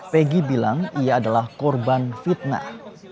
peggy bilang ia adalah korban fitnah